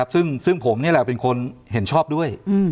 ซึ่งผมนี่แหละเป็นคนเห็นชอบด้วย